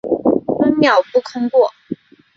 分秒不空过